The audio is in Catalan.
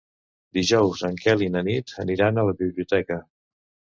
Dijous en Quel i na Nit aniran a la biblioteca.